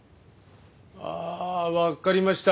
ああわかりました。